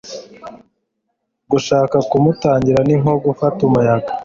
gushaka kumutangira ni nko gufata umuyaga